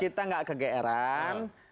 kita nggak ke gr an